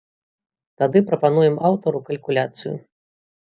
Тады прапануем аўтару калькуляцыю.